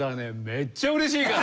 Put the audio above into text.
めっちゃうれしいから！